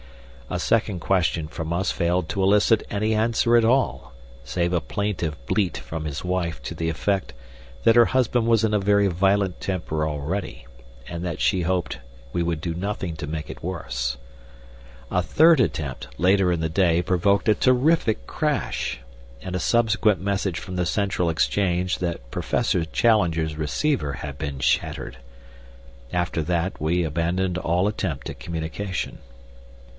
A second question from us failed to elicit any answer at all, save a plaintive bleat from his wife to the effect that her husband was in a very violent temper already, and that she hoped we would do nothing to make it worse. A third attempt, later in the day, provoked a terrific crash, and a subsequent message from the Central Exchange that Professor Challenger's receiver had been shattered. After that we abandoned all attempt at communication.